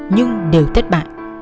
nhưng đều thất bại